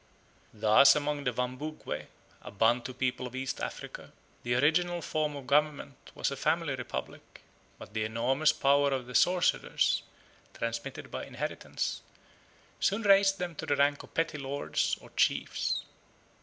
Thus among the Wambugwe, a Bantu people of East Africa, the original form of government was a family republic, but the enormous power of the sorcerers, transmitted by inheritance, soon raised them to the rank of petty lords or chiefs.